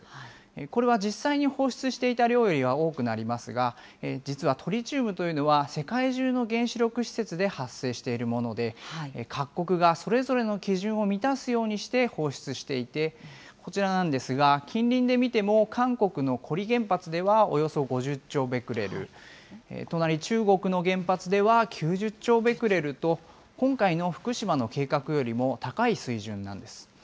これは実際に放出していた量よりは多くなりますが、実はトリチウムというのは、世界中の原子力施設で発生しているもので、各国がそれぞれの基準を満たすようにして放出していて、こちらなんですが、近隣で見ても、韓国の古里原発ではおよそ５０兆ベクレル、隣、中国の原発では９０兆ベクレルと、今回の福島の計画よりも高い水準なんです。